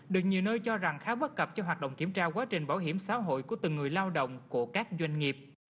được nhiều nơi cho rằng khá bất cập cho hoạt động kiểm tra quá trình bảo hiểm xã hội của từng người lao động của các doanh nghiệp